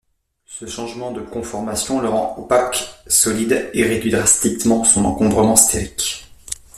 Ce changement de conformation le rend opaque, solide et réduit drastiquement son encombrement stérique.